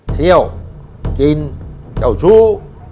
เที่ยวกินเจ้าชู้